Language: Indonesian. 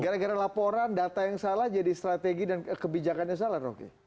gara gara laporan data yang salah jadi strategi dan kebijakannya salah rocky